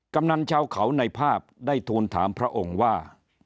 กำนันชาวเขาในภาพได้ทูลถามพระองค์ว่า